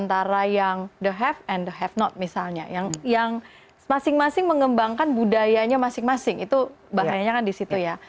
antara yang the have and the have not misalnya yang masing masing mengembangkan budayanya masing masing itu bahayanya kan di situ ya